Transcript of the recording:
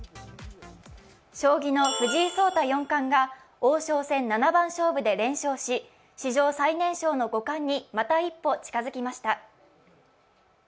将棋の藤井聡太四冠が王将戦七番勝負で連勝し、史上最年少の五冠にまた一歩近づきました。